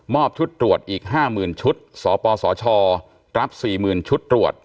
มอบชุดตรวจอีก๕หมื่นชุดสปสชรับ๔๐๐๐๐ชุดตรวจ